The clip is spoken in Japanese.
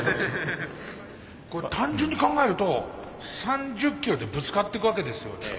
これ単純に考えると３０キロでぶつかってくわけですよね。